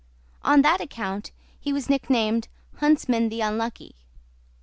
On that account he was nicknamed "Huntsman the Unlucky."